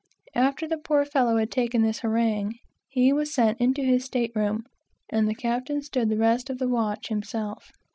After the poor fellow had taken the harangue, he was sent into his state room, and the captain stood the rest of the watch himself.